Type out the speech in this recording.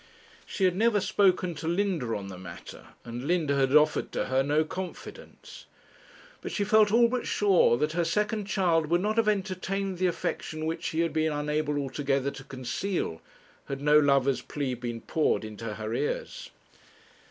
She had never spoken to Linda on the matter, and Linda had offered to her no confidence; but she felt all but sure that her second child would not have entertained the affection which she had been unable altogether to conceal, had no lover's plea been poured into her ears.